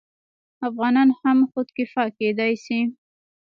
افغانان هم خودکفا کیدی شي.